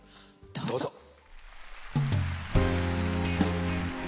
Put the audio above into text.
どうぞ。